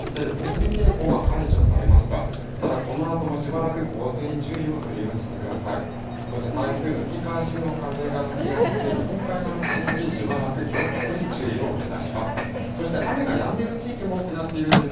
そして台風の吹き返しの風が吹きやすい日本海側の地域しばらく強風に注意をお願いします。